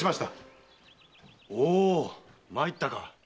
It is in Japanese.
おお参ったか。